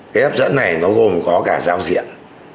cái hấp dẫn này nó gồm có cả giao diện